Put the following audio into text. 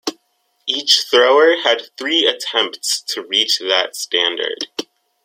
Each thrower had three attempts to reach that standard.